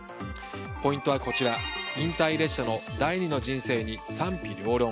ポイントはこちら引退列車の第二の人生に賛否両論。